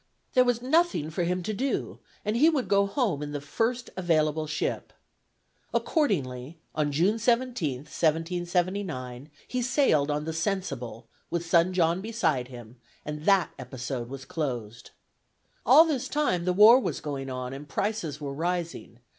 There was nothing for him to do, and he would go home in the first available ship. Accordingly, on June 17th, 1779, he sailed on the Sensible, with son John beside him, and that episode was closed. All this time the war was going on and prices were rising.